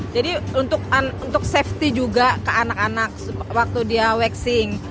jadi untuk safety juga ke anak anak waktu dia waxing